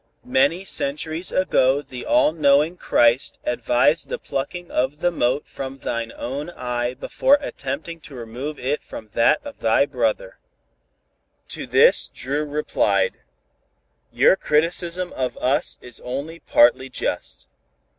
Many centuries ago the all knowing Christ advised the plucking of the mote from thine own eye before attempting to remove it from that of thy brother." To this Dru replied: "Your criticism of us is only partly just.